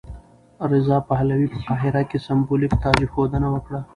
رضا پهلوي په قاهره کې سمبولیک تاجاېښودنه وکړه.